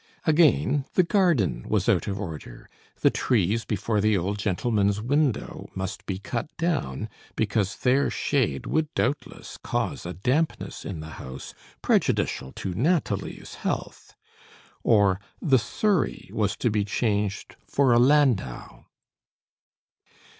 Again, the garden was out of order; the trees before the old gentleman's window must be cut down, because their shade would doubtless cause a dampness in the house prejudicial to Nathalie's health; or the surrey was to be changed for a landau.